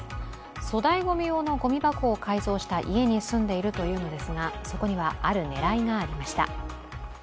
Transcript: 粗大ごみ用のごみ箱を改造した家に住んでいるということですが、そこには、ある狙いがありました。